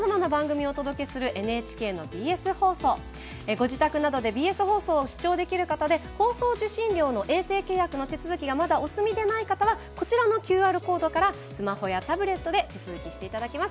ご自宅などでＢＳ放送を視聴できる方で放送受信料の衛星契約の手続きがまだお済みでない方はこちらのＱＲコードからスマホやタブレットで手続きしていただけます。